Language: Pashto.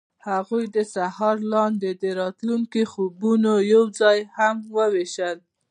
هغوی د سهار لاندې د راتلونکي خوبونه یوځای هم وویشل.